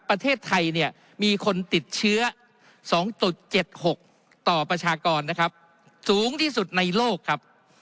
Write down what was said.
ประเทศไทยเนี่ยมีคนติดเชื้อ๒๗๖ต่อประชากรนะครับสูงที่สุดในโลกครับ